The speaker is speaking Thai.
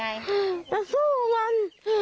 อยากได้ร่างอยู่ตรงไหน